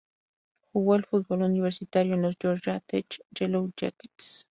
Jugó al fútbol universitario en los Georgia Tech Yellow Jackets.